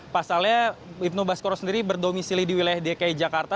pasalnya ibnu baskoro sendiri berdomisili di wilayah dki jakarta